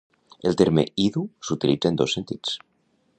El terme "idu" s'utilitza en dos sentits.